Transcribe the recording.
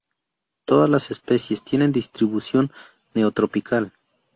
Todas las especies tienen distribución Neotropical.